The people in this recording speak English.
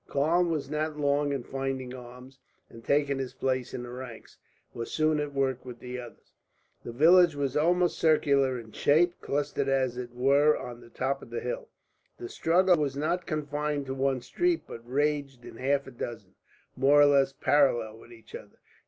Karl was not long in finding arms and, taking his place in the ranks, was soon at work with the others. The village was almost circular in shape, clustered as it were on the top of the hill. The struggle was not confined to one street, but raged in half a dozen, more or less parallel with each other.